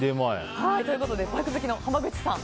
ということでバイク好きの濱口さん